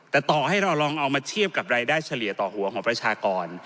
แต่ต่อให้เราลองเอามาเทียบกับรายได้เฉลี่ยต่อหัวของประชากร